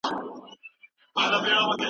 نقيبه! گل شې راشه ژوند د پرديسۍ نه غواړم